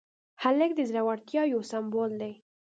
هلک د زړورتیا یو سمبول دی.